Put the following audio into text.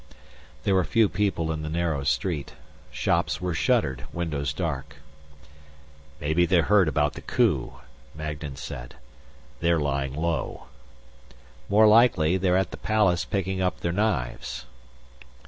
There were few people in the narrow street. Shops were shuttered, windows dark. "Maybe they heard about the coup," Magnan said. "They're lying low." "More likely, they're at the palace picking up their knives."